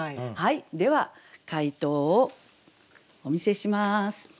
では解答をお見せします。